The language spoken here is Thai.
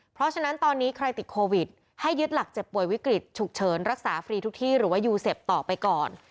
เพราะฉะนั้นตอนนี้ใครติดโควิดให้ยึดหลักเจ็บป่วยวิกฤตฉุกเฉินรักษาฟรีทุกที่หรือว่ายูเซฟต่อไปก่อน